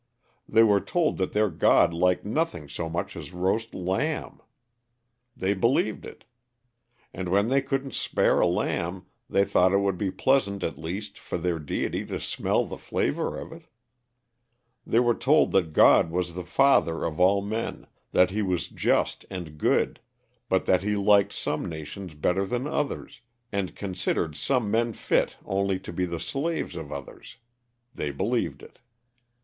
They were told that their God liked nothing so much as roast lamb. They believed it. And when they couldn't spare a lamb, they thought it would be pleasant at least for their deity to smell the flavor of it. They were told that God was the father of all men; that he was just and good; but that he liked some nations better than others; and considered some men fit only to be the slaves of others. They believed it.